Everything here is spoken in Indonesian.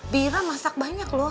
bira masak banyak loh